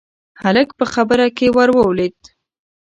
هلک په خبره کې ورولوېد: